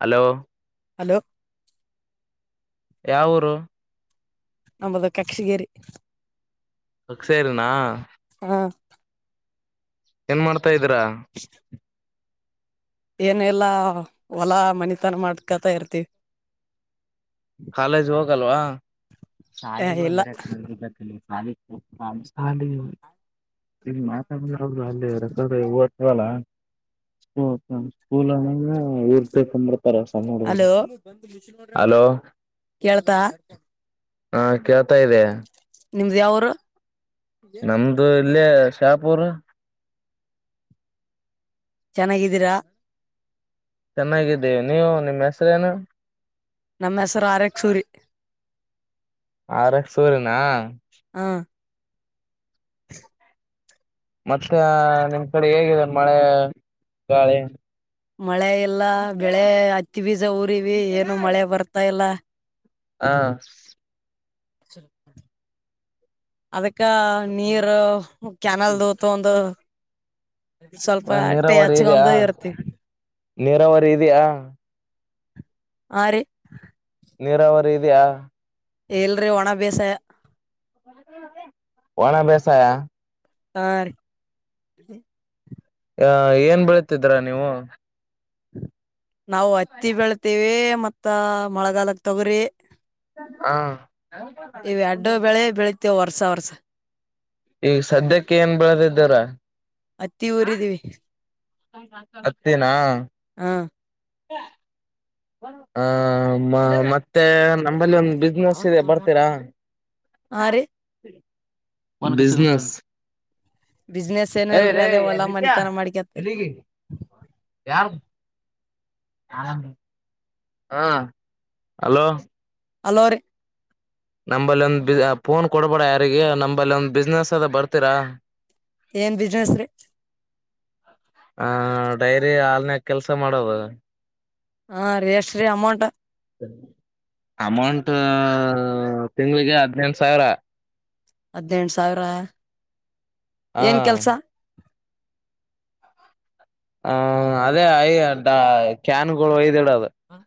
Hello. Hello. ಯಾವ ಊರು. ನಮ್ಮದು ಕಕ್ಷಿಗೇರಿ. ಕಕ್ಷಿಗೆರಿನಾ. ಏನ್ ಮಾಡ್. ತಾ ಇದ್ದೀರಾ. ಏನಿಲ್ಲಾ ಹೊಲಾ ಮನಿತನ ಮಾಡ್ಕತಾ ಇರ್ತಿವಿ. ಕಾಲೇಜ್ ಹೋಗಲ್ವಾ. ಶಾಲಿಗಳು ಇಲ್ಲ ಬರಕ್ ಶಾಲಿ [inaudible] [inaudible] [inaudible] ಇಲ್ಲ ಸ್ಕೂಲ್ ಹಲೋ ಹಲೋ ಕೇಳ್ತಾ ಹಾ ಕೇಳ್ತಾ ಇದದೆ ನಿಮ್ದ ಯಾವರು ನಮ್ದು ಇಲ್ಲಿ ಶಾಪುರ್ ಚೆನ್ನಾಗಿದ್ದೀರಾ ಚೆನ್ನಾಗಿದ್ದೀ ನೀವು ನಿಮ್ಮ ಹೆಸರೇನು ನಮ್ಮ ಹೆಸರು ಆರಕ್ಸೂರಿ ಆರಕ್ ಸೂರನಾ ಹ [inaudible] ಮತ್ತೆ ನಿಮ್ ಕಡೆ ಹೇಗಿದೆ ಮಳೆ ಗಾಳಿ ಮಳೆ ಇಲ್ಲ ಬೆಳೆ ಹಚ್ಚಿ ಬೀಜ ಊರಿವವಿ ಏನು ಮಳೆ ಬರ್ತಾ ಇಲ್ಲ ಹ ಅದಕ್ಕ ನೀರು ಕ್ಯಾನಲ್ ದತ್ತು ಒಂದು ಹ ನೀರಾವರಿ ಇದಯಾ ಹಚ್ಕೊಂಡ ಇರ್ತಿವಿ ನೀರಾವರಿ ಇದ್ಯಾಾ ಆರಿ ನೀರಾವರಿ ಇದೆಯಾ ಎಲ್ರಿ ಒಣ ಬೇಸ ಒಣ ಬಸಾಯ ಹಾರಿ ಆ ಏನ್ ಬೆಳತಿದ್ರ ನೀವು ಹ [unintelligible] ನಾವು ಹತ್ತಿ ಬೆಳ್ತೇವಿ ಮತ್ತ ಮಳೆಗಾಲಕ್ ತಗ್ರಿ ಹಾ ಸ [unintelligible] ಈಗ ಸದ್ಯಕ್ಕೆ ಏನ್ ಬೆಳದ ಇದಾರ ಹತ್ತಿ ಊರಿದೀವಿ ಹತ್ತಿನ ಹಾ ಹ ಮತ್ತೆ ನಂಬಲ್ಲಿ ಒಂದು ಬಿಸ್ನೆಸ್ ಇದೆ ಬರ್ತೀರಾ ಹಾ ರೀ ಬಿಸನೆಸ್ ಬಿಸ್ನೆಸ್ ಏನಲ್ರರಿ ಅದೇ ಹೊಲಾ ನಿತ್ಯ ಮನಿತನ ಮಾಡ್ಕತ್ತರಿ ಹಾ ಹಲೋ ಹೆಲೋ ರಿ ನಂಬಲ್ಲಿ ಒಂದ್ ಫೋನ್ ಕೊಡ್ಬೇಡ ಯಾರಿಗೆ ನಂಬಲ್ಲಿ ಒಂದ ಬಿಸ್ನೆಸ್ ಅದ ಬರ್ತೀರಾ ಏನ್ ಬಿಸ್ನೆಸ್ ರೀ [unintelligible] ಹ ಡೈರಿ ಆ ಕೆಲ್ಸ ಮಾಡೋದು ಹಾ ಇಸ್ತ್ರಿ ಅಮೌಂಟ್ ಅಮೌಂಟ್ ತಿಂಗಳಿಗೆ ಹದ್ನೆಂಟು ಸಾವಿರ ಹದ್ನೆಂಟು ಸಾವಿರ ಏನ್ ಹ ಕೆಲ್ಸ ಹ್ಮ ಅದೇ ಯ ಕ್ಯಾನ್ ಗಳು ಒಯ್ದಡದು ಹ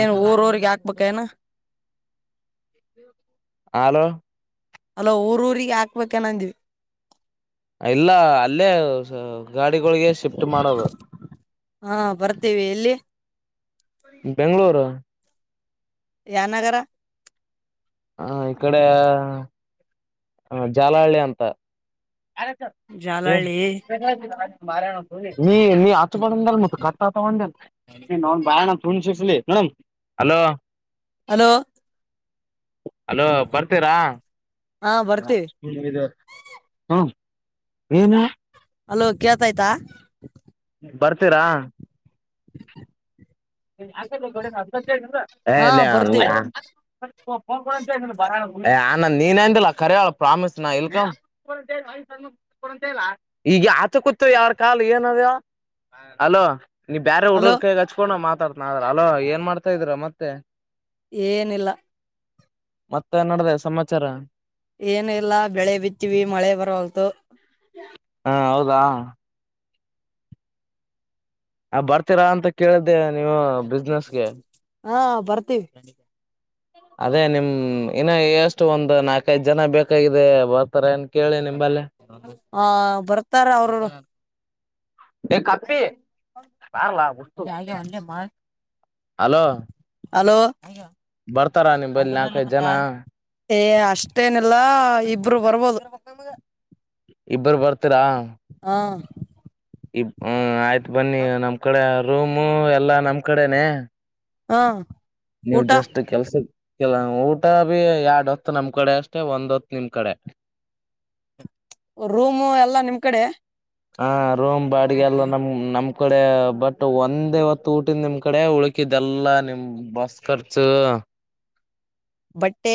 ಏನ್ ಊರ್ ಊರ್ಗೆ ಯಾಕ ಬೇಕೆನ ಹಾಲು ಅಲ ಊರ ಊರಿಗೆ ಹಾಕ್ಬೇಕೇನಂದ್ವಿ ಇಲ್ಲ ಅಲ್ಲೇ ಗಾಡಿಗಳಿಗೆ ಶಿಫ್ಟ್ ಮಾಡೋದು ಹಾ ಬರ್ತೇವಿ ಎಲ್ಲಿ ಬೆಂಗಳೂರು ಯಾನಗರ ಹ ಇಕಡೆ ಹ ಜಾಲಹಳ್ಳಿ ಅಂತ [inaudible] Jalahalli madam hello hello hello ಬರ್ತೀರಾ ಹಾ ಹ ಬರ್ತೀವಿ ಹ್ಮ ನೀನ ಹಲೋ ಕೇಳ್ತ ಆಯ್ತಾ ಬರ್ತೀರಾ [inaudible] ಹಾ ಬರ್ತೀವಿ ನೀನ್ ಕರಳ ಪ್ರಾಮಿಸ್ ನ ಎ ಈಗ ಆತ ಕೂತ್ ಯ್ರ ಕಾಲು ಏನದ್ಯ ಅಲೋ ನೀವು ಬೇರೆ ಹಡುಡ್ರ ಹಲೋ ಕಕ ಹಚ್ಕೊಂಡ್ ಮಾತಾತ ಅಲೋ ಏನ್ ಮಾಡ್ತಾ ಇದೀರ ಮತ್ತೆ ಏನಿಲ್ಲ ಮತ್ತೆ ನಡ್ದ ಸಮಾಚಾರ ಏನು ಇಲ್ಲ ಬೆಳೆ ಬಿತ್ತೀವಿ ಮಳೆ ಬರಲ್ತು ಹಾ ಹೌದಾ ಆ ಬರ್ತೀರಾ ಅಂತ ಕೇಳ್ದೆ ನೀಮ್ಮ ಬಿಸ್ನೆಸ್ಗೆ ಹಾ ಬರ್ತೀವಿ ಅದೇ ನಿಮ್ ಇನ್ನು ಎಷ್ಟು ಒಂದ ನಾಲ್ಕೈದು ಜನ ಬೇಕಾಗಿದೆ ವ ಹಾ ಬರ್ತಾರ ಅವರು ಏ ಕತ್ತೀ ಬಾರ್ಲಾ ಹಲೋ ಹಲೋ ಬರ್ತಾರ ನಿಂಬಲ್ಲಿ ನಾಲ್ಕೈದ ಜನ ಏ ಅಷ್ಟೇನಿಲ್ಲಾ ಇಬ್ರು ಬರ್ಬೋದು ಇಬ್ಬರು ಬರ್ತೀರಾ ಹಾ ಈ ಆಯ್ತು ಬನ್ನಿ ನಮ್ ಕಡೆ ರೂಮು ಎಲ್ಲಾ ನಮ್ ಕಡೆನೆ ಹಾ ನೀವು ಊಟ ಜಸ್ಟ್ ಕೆಲ್ಸ ಕಿಲ್ಲ ಊಟ ಬಿ ಎರಡ್ ಹೊತ್ ನಮ್ ಕಡೆ ಅಷ್ಟೆ ಒಂದ್ ಹೊತ್ ನಿಮ್ ಕಡೆ ರೂಮು ಎಲ್ಲಾ ನಿಮ್ ಕಡೆ ಹಾ ರೋಮ್ ಬಾಡಿಗೆ ಎಲ್ಲ ನಮ್ ನಮ್ ನಿಮ್ ಕಡೆ ಬಟ್ ಒಂದ್ವತ್ತು ಊಟಿಂದ ನಿಮ್ ಕಡೆ ಉಳಕಿದ್ದಲ್ಲ ನಿಮ್ ಬಸ್ ಖರ್ಚು ಬಟ್ಟೆ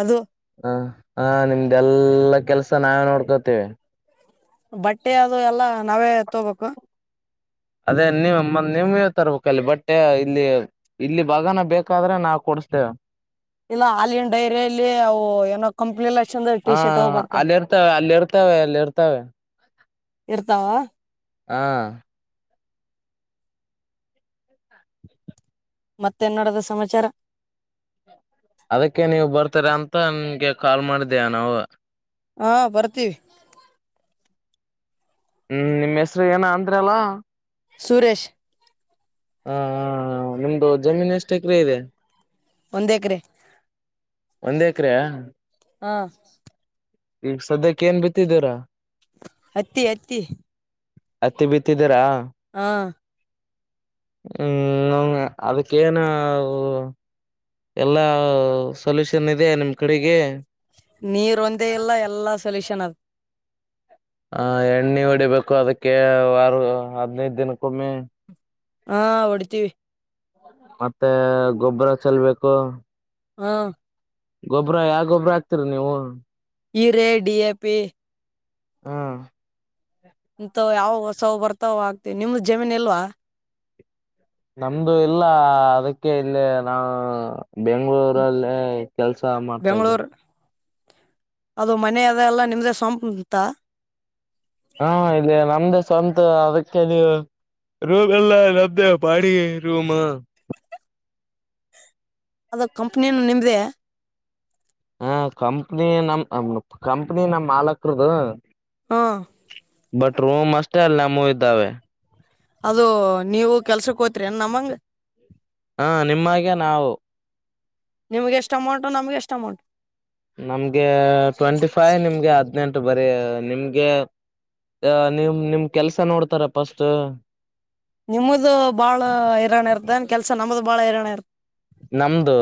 ಅದು ಹ ಹ ನಿಮ್ದೆಲ್ಲ ಕೆಲ್ಸ ನಾವೇ ನೋಡ್ಕೋತೇವಿ ಬಟ್ಟೆ ಅದು ಎಲ್ಲಾ ನಾವೇ ತೊಬೇಕು ಅದೇ ನೀ ನಿವಗೆ ತರ್ಬೇಕ ಅಲ್ಲಿ ಬಟ್ಟೆ ಇಲ್ಲಿ ಇಲ್ಲಿ ಬಗಾನ ಬೇಕಾದ್ರೆ ನಾವು ಕೊಡಸ್ತೇವೆ ಇಲ್ಲ ಹಾಲಿನ್ ಡೈರಿಯಲ್ಲಿ ಅವು ಏನೋ ಕಂಪ್ನಿಲ್ಲ ಚಂದ ಹ ಟಿ ಶರ್ಟ್ ಬರ್ತಾವ ಅಲ್ಲಿ ಇರ್ತವೆ ಅಲ್ಲಿ ಇರ್ತವೆ ಅಲ್ಲಿ ಇರ್ತವೆ ಇರ್ತಾವ ಹಾ ಮತ್ತೇನ ನಡದ ಸಮಾಚಾರ ಅದಕ್ಕೆ ನೀವು ಬರ್ತೀರಾ ಅಂತ ನಿನ್ಗೆ ಕಾಲ್ ಮಾಡಿದ್ದೇಯ ನಾವು ಹಾ ಬರ್ತೀವಿ ಹ್ಮ್ ನಿಮ್ಮ್ ಹೆಸರು ಏನ ಅದ್ರ ಅಲ್ಲಾ ಸುರೇಶ್ ಹಾ ನಿಮ್ದು ಜಮೀನ್ ಎಷ್ಟು ಎಕರೆ ಇದೆ ಒಂದೇಕರೆ ಒಂದ್ ಎಕ್ರೇ ಹಾಂ ಈಗ ಸದ್ಯಕ್ಕೆ ಏನ್ ಬಿತ್ತಿದ್ದೀರ ಹತ್ತಿ ಹತ್ತಿ ಹತ್ತಿ ಬಿತ್ತಿದ್ದೀರಾ ಹಾ ಹ್ಮ್ ಅವ ಅದಕ್ಕೇನ ಅವು ಎಲ್ಲಾ ಸಲ್ಯೂಷನ್ ಇದೆ ನಿಮ್ ಕಡೆಗೆ ನೀರ ಒಂದೇ ಇಲ್ಲ ಎಲ್ಲ ಸೊಲ್ಯೂಷನ್ ಅದು ಹ ಎಣ್ಣೆ ಹೊಡಿಬೇಕು ಅದಕ್ಕೆ ಆರ ಹದಿನೆಯ್ದು ದ ದಿನಕ್ಕೊಮ್ಮೆ ಹಾ ಹೊಡ್ತೀವಿ ಮತ್ತೆ ಗೊಬ್ಬರ ಚೆಲ್ಬೇಕು ಹಾ ಗೊಬ್ಬ್ರ ಯಾವ ಗೊಬ್ಬ್ರ ಹಾಕ್ತಿರಿ ನೀವು ಇ ರೇ ಡಿ ಎ ಪಿ ಹಾ ಇಂತ ಯಾವಾಗ ಸವ್ ಬರ್ತಾವ ಆಗ್ತಿವಿ ನಿಮ್ದ ಜಮೀನ್ ಇಲ್ವಾ ನಮ್ದು ಇಲ್ಲ ಅದಕ್ಕೆ ಇಲ್ಲಿ ನಾ ಬೆಂಗಗಳೂರಲ್ಲೇ ಕೆಲ್ಸ ಮಾಡ್ತಾ ಇದ್ದ್ವಿ ಬೆಂಗಳೂರ್ ಅದು ಮನೆ ಅದ ಎಲ್ಲ ನಿಮ್ದೇ ಸಪುಂತ ಹಾ ಇಲ್ಲಿ ನಮ್ದೇ ಸ್ವಂತ ಅದಕ್ಕೆ ನೀ ರೂಮ್ ಎಲ್ಲ ಲ ಬಾಡಿ ರೂಮ್ ಅದು ಕಂಪನಿಯಿನ ನಿಮ್ದೆ ಹಾ ಕಂಪ್ನಿ ನಮ್ಮ್ ಕಂಪ್ನಿ ನಮ ಮಾಲಕರುದು ಹಾ ಬಟ್ ರೂಮ್ ಅಷ್ಟೇ ಅಲ್ಲ ನಮ್ಮ ಇದ್ದಾವೆ ಅದು ನೀವು ಕೆಲ್ಸಕ್ಕ ಹೋತ್ರಿನ್ ನಮ್ಮಂಗ ಹಾ ನಿಮ್ಮಾಗ ನಾವು ನಿಮ್ಗೆ ಎಷ್ಟು ಅಮೌಂಟ್ ನಮ್ಗೆ ಎಷ್ಟು ಅಮೌಂಟ್ ನಮ್ಗೆ ಟ್ವೆಂಟಿ ಫೈವ್ ನಿಮ್ಗೆ ಹದ್ನೆಂಟು ಅ ಬರಿ ನಿಮ್ಗೆ ನಿಮ್ ನಿಮ್ ಕೆಲ್ಸ ನೋಡ್ತಾರ ಪಫಸ್ಟ್ ನಿಮ್ಮದು ಭಾಳ ಹಿರಣ್ಯ ಇರ್ತನ್ ಕೆಲ್ಸ ನಮ್ಮದು ಭಾಳ ಹಿರಣ್ಯ ಇರ್ತ ನಮ್ಮದು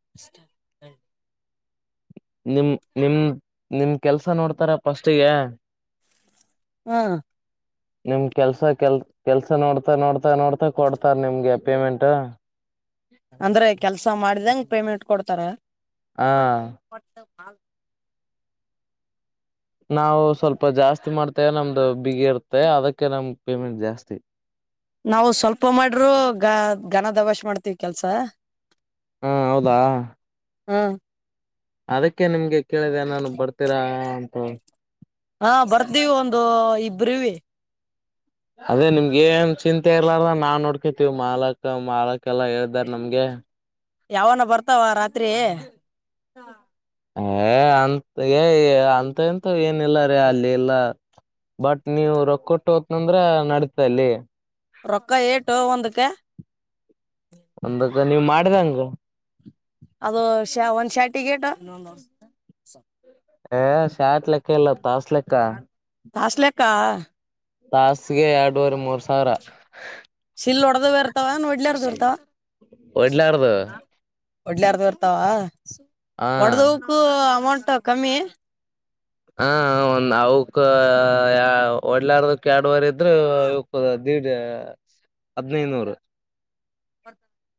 [inaudible] ನಿಮ ನಿಮ ನಿಮ್ ಕೆಲ್ಸ ನೋಡ್ತಾರ ಪಫಸ್ಟಿಗೆ ಹ್ಮ್ ನಿಮ್ ಕೆಲ್ಸ ಕೆಲ್ ಕೆಲ್ಸ ನೋಡ್ತಾ ನೋಡ್ತಾ ನೋಡ್ತಾ ಕೊಡ್ತಾರ ನಿಮ್ಗೆ ಪೇಮೆಂಟ್ ಅಂದ್ರೆ ಕೆಲ್ಸ ಮಾಡಿದಂಗಗೆ ಪೇಮೆಂಟ್ ಕೊಡ್ತಾರ ಹ ಹ [inaudible] ನಾವು ಸ್ವಲ್ಪ ಜಾಸ್ತಿ ಮಾಡ್ತೇವೆ ನಮ್ದು ಬಿಗಿ ಇರ್ತ್ತೆ ಅದಕ್ಕೆ ನಮ ಪೇಮೆಂಟ್ ಜಾಸ್ತಿ ನಾವು ಸ್ವಲ್ಪ ಮಾಡ್ರರು ಗ ಘನ ದವಾಷ ಮಾಡ್ತೀವಿ ಕೆಲ್ಸ ಹಾ ಹೌದಾ ಹ್ಮ್ ಅದಕ್ಕೆ ನಿಮ್ಗೆ ಕೇಳಿದೆನನ್ ಬರ್ತೀರಾ ಹ [inaudible] ಹಾ ಬರ್ತೀವಿ ಒಂದು ಬ್ರರುವಿ ಅದೇ ನಿಮ್ಗೆ ಏನ್ ಚಿಂತೆ ಇರ್ಲಾರ ನಾವ್ ನೋಡ್ಕ ವು ಮಾಲಕ ಮಾಳ ಕ್ಕೆಲ್ಲಾ ಹೇ್ದಾರ ನಮ್ಗೆ ಯಾವನ ಬರ್ತಾವ ರಾತ್ರಿ ಏ ಅಂತ ಅಂತ ಎಂತ ಲ್ಲ ರೇ ಅಲ್ಲಿ ಎಲ್ಲಾ ಬಟ್ ನೀವು ರೊಕ್ಕ ಕೊಟ್ಟು ಹೋಗಕ್ನಂದ್ರ ನಡತ ಅಲ್ಲಿ ರೊಕ್ಕಾ ಏಟೋ ಒಂದುಕ್ಕೆ ಒಂದಕ್ಕ ನೀವ್ ಮಾಡ್ದಂಗ ಅದು ಶ ಒಂದ್ ಶ್ಯಾಟಿಕೇಟ್ ಹಾ ಸಾಟ್ ಕ್ಕ ಕಲ್ಲ ತಾಸಲಕ್ಕ ತಾಸ್ಲೆಕ್ಕ [inaudible] ತಾಸ್ಗೆ ಎರಡು ಮೂರು ಸಾವಿರ ಅ ವಡ್ಲಾರ್ದ ಒಡ್ಲಾರದು ಇರ್ತಾವ ಹೊಡದ ಹಕು ಅಮೌಂಟ್ ಕಮ್ಮಿ ಹಾ ಒಂದು [inaudible] ಒಡ್ಲಾರದಕ್ಕೆ ಎರಡವರ್ ಇದ್ರು ಇವ ದಡ್ ಹದ್ನೈನೂರು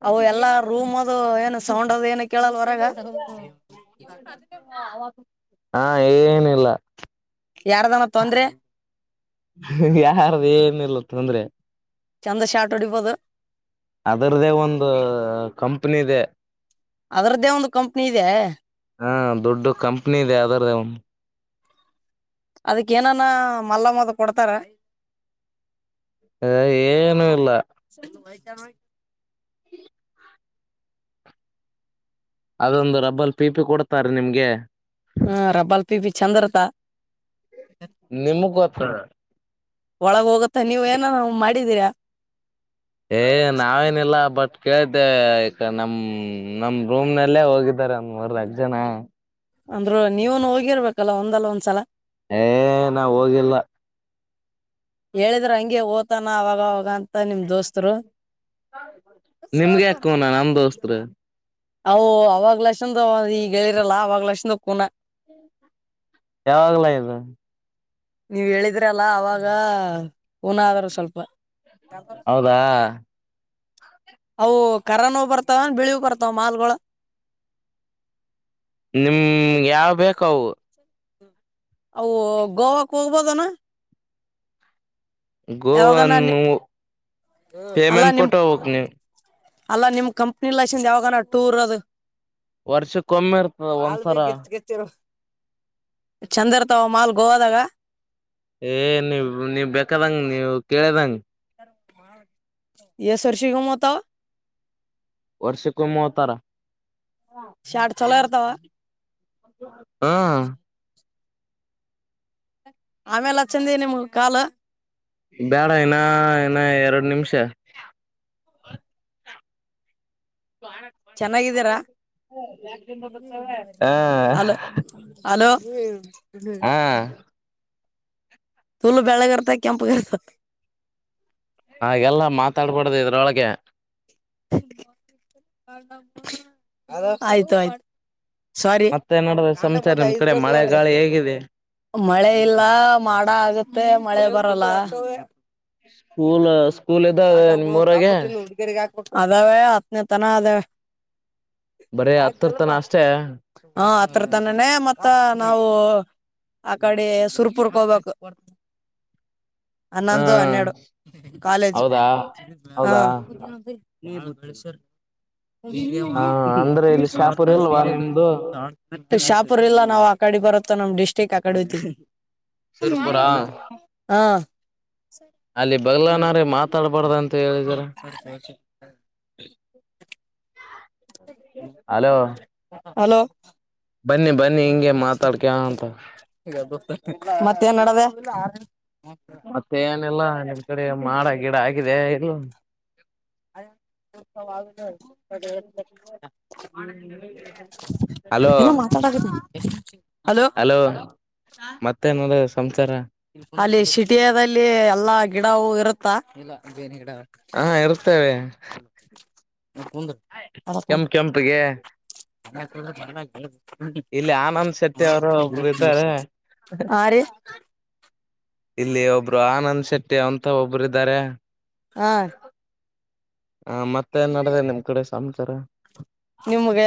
ಅವು ಎಲ್ಲಾ ರೂಮ್ ಅದು ಏನು ಸೌಂಡ್ ಅದು ಏನ ಕೇಳಲ್ವ [inaudible] ಹಾ ಏನಿಲ್ಲ ಯಾರದನ ತೊಂದ್ರೆ ಯಾರ್ದ ಏನ ಇರ್ಲತ್ತ ಅಂದ್ರೆ ಚಂದ ಶಾಟ್ ಹೊಡಿಬೋದು ಅದರ್ದೇ ಒಂದು ಕಂ ಒಪ್ಪನಿದೆ ಅದ್ರದ್ದೇ ಒಂದು ಕಂಪನಿ ಇದೆ ಹಾ ದೊಡ್ ಕಂಪ್ನಿ ಇದೆ ಅದಾರದೇನ್ ಅದಕ್ಕ ಏನಾನ ಮಲ್ಲ ಮದ ಕೊಡ್ತಾರ ಹ ಏನುೂ ಇಲ್ಲ ಜಮ ಅದೊಂದು ರಬ್ಬಲ್ ಪೀಪಿ ಕೊಡ್ತಾರೀ ನಿಮ್ಗೆ ಹ್ಮ್ ರಬ್ಬಲ್ ಪಿಪಿ ಚಂದ್ರತ ನಿಮಗ ಗೊತ್ರ ಒಳಗ್ ಹೋಗುತ್ತೆ ನೀವ್ ಏನ ಮಾಡಿದೀರಾ ಏ ನಾವೇನಿಲ್ಲ ಬಟ್ ಕೇಳ್ದ ಈ ನಮ್ ನಮ್ ರೂಮ್ ನಲ್ಲೇ ಹೋಗಿದಾರ ಒಂದ್ ಮೂರ್ದಕ್ ಜನ ಅಂದ್ರು ನೀವನು ಹೋಗಿರ್ಬೇಕಲ್ಲ ಒಂದಲ್ಲ ಒಂದ್ಸಲ ಏ ನಾವ ಹೋಗಿಲ್ಲ ಹೇಳಿದ್ರ ಹಂಗೆ ಓತಾನ ಅವಾಗ ಅವಾಗ ಅಂತ ನಿಮ್ ದೋಸ್ತರು ನಿಮ್ಗೆ ಸೋತನ ಅಕೋಣ ನಮ ದೋಸ್ತರು. ಅವು ಅವಾಗ್ಲಕ್ಷದ ಈಗ ಹೇಳಿರಲ್ಲ ಅವಾಗ್ಲಕ್ಷದ ಕೂನ. ಯಾವಾಗ್ಲ ಇದು. ನೀವ್ ಹೇಳಿದ್ರ ಅಲ್ಲ ಅವಾಗ ಊನ ಆದಾರ ಸ್ವಲ್ಪ. ಹೌದಾ ಅವು ಕರನವು ಬರ್ತಾವ ಬಿಳಿ ಬರ್ತಾವ ಮಾಲ್ಗಳ. ನಿಮ್ ಯಾವ್ ಬೇಕವು ಅವು ಗೋವಾಕ್ ಹೋಗ್ಬೋದನಾ ಗೋವಾ ಯಾವಾಗನ ನಿ- ಪೇಮೆಂಟ್ ಕೊಟ್ಟ ಹೋಗ್ನೀವು. ಅಲ್ಲಾ ನಿಮ್ ಕಂಪ್ನಿ ಲಸಿಂದ ಯಾವಾಗಾನ ಟೂರ್ ಅದು. ವರ್ಷಕ್ಕೊಮ್ಮೆ ಇರ್ತದ ಒಂದ್ಸರ. ಚಂದರ್ ತಾವ ಮಾಲ್ ಗೋವಾದಾಗ ಏ ನೀವ ನೀವ್ ಬೇಕಾದಂಗ ನೀವ್ ಕೇಳದಂಗ. ಈ ಸರ್ಷಗ ಮಾತ. ವರ್ಷೆಕ್ಕ ಮೂವತ್ತರ. ಶಾಟ್ ಚಲೋ ಇರ್ತಾವ ಹಾ ಆಮೇಲೆ ಹಚ್ಚಂದ ನೀವು ಕಾಲು. ಬೇಡ ಇನ ಇನ್ನ ಎರಡು ನಿಮಿಷ. [inaudible] ಚೆನ್ನಾಗಿದ್ದೀರಾ ಹ ಹ್ಮ್ ಹಾ [unintelligible] [unintelligible] ಮಾತಾಡಬಾರದು ಇದ್ರ ಒಳಗೆ. [inaudible] ಆಯ್ತು ಆಯ್ತು ಸಾರಿ ಮತ್ತೆ ನೋಡ್ರ ಸಂಸಾರ ನೋಡ ನಿಮ್ ಕಡೆ ಮಳೆ ಗಾಳಿ ಹೇಗಿದೆ ಮಳೆ ಇಲ್ಲ ಮಾಡ ಆಗುತ್ತೆ ಮಳೆ ಬರಲ್ಲ. [inaudible] ಸ್ಕೂಲ್ ಸ್ಕೂಲ್ ಇದ್ದ ನಿಮ್ಮ್ರಗೆ. ಅದಾವೇ ಹತ್ತನೇ ತನ ಅದಾವ. ಬರೀ ಹತ್ತರ್ತನ ಅಷ್ಟೇ ಹತ್ರರ್ ತಾನನೆ ಮತ್ತ ನಾವು ಆ ಕಡೆ ಸುರ್ಪುರ್ಕ ಹೋಗ್ಬೇಕು ಹ ಹನ್ನೊಂದು ಹನ್ನೆರಡು ಕಾಲೇಜ್ ಹೌದಾ ಹೌದಾ ನೀನು [inaudible] ಹ ಅಂದ್ರೆ ಇಲ್ಲಿ ಶಾಪುರ್ ಇಲ್ವಾ ನಿಮ್ದು [unintelligible] ಶಾಪುರ್ಲ್ಲ ನಾವ್ ಹಾಕದೆ ಬರೋದು ಮ ನಮ್ಮ್ ಡಿಸ್ಟ್ರಿಕ್ ಆ ಕಡತಿ ಸುರಪುರ ಅಲ್ಲಿ ಬಗ್ಲನ್ರ ಮಾತ್ರ [unintelligible] [inaudible] ಹಲೋ ಹಾ [inaudible] ಅಂತ [unintelligible] ಮತ್ತೇನ್ ಹ [unintelligible] ಮತ್ತೆ ಏನೆಲ್ಲಾ ನಿಮ್ ಕಡೆ ಮಾಡಾಗಿ ಗಿಡ ಆಗಿದೆ ಎಲ್ಲ [unintelligible] ಹಲೋ ಇಲ್ಲ ಮಾತಾ [inaudible] ಎಷ್ಟ [unintelligible] ಹಲೋ ಮತ್ತೆನದ ಸಂಸಾರ ಅಲ್ಲಿ ಸಿಟಿಯಲ್ಲಿ ಎಲ್ಲಾ ಗಿಡ ಅವು ಇರುತ್ತಾ ಹಾ ಇರ್ತೇವೆ [inaudible] ಕೆಂಪ್ ಕೆಂಪಗೆ ಮಾಗ ಹೇಳ ಆನಂದ್ ಶೆಟ್ಟಿ ಅವರು ಒಬ್ರು ಇದ್ದಾರೆ [unintelligible] [inaudible] ಆ ರ ಇಲ್ಲಿ ಒಬ್ರು ಆನಂದ್ ಶೆಟ್ಟಿ ಅಂತ ಒಬ್ಬರು ಇದ್ದಾರೆ ಆ ಹ ಮತ್ತೆನ್ ನಡ್ದದೆ ನಿಮ್ ಕೂಡೆ ಸಂಚಾರ ನಿಮ್ಗೆ